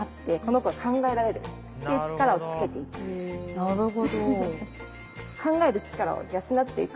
なるほど。